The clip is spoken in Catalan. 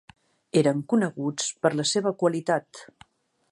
Eren coneguts per la seva qualitat.